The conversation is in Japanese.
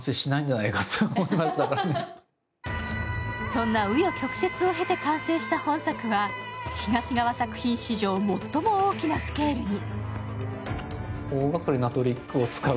そんな紆余曲折を経て完成した本作は東川作品史上最も大きなスケールに。